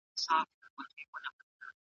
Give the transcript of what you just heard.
د روږدو کسانو درملنه کیده.